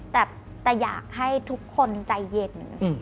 แต่อยากให้ทุกคนใจเย็น